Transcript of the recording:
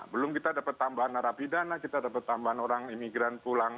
belum kita dapat tambahan narapidana kita dapat tambahan orang imigran pulang